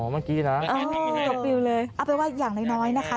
อ๋อบางทีนะเออตัวปลิวเลยเอาเป็นว่าอย่างน้อยน้อยนะคะ